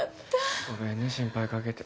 ごめんね心配掛けて。